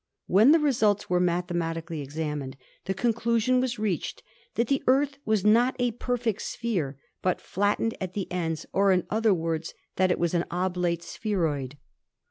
When the results were mathematically examined the con clusion was reached that the Earth was not a perfect sphere, but flattened at the ends, or in other words that it was an oblate spheroid.